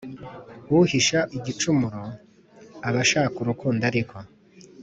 Uhisha igicumuro aba ashaka urukundo Ariko